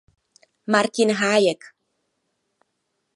Martin Hájek.